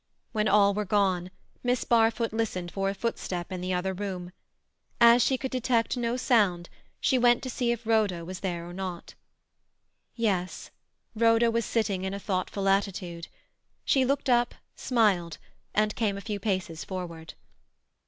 When all were gone, Miss Barfoot listened for a footstep in the other room. As she could detect no sound, she went to see if Rhoda was there or not. Yes; Rhoda was sitting in a thoughtful attitude. She looked up, smiled, and came a few paces forward.